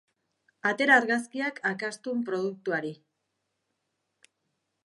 Atera argazkiak akastun produktuari.